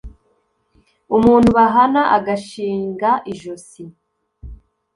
umuntu bahana agashinga ijosi